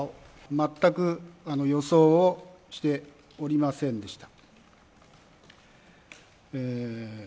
全く予想をしておりませんでした。